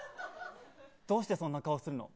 どうしてそんな顔するの。